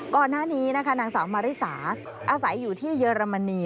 ก่อนหน้านี้นะคะนางสาวมาริสาอาศัยอยู่ที่เยอรมนี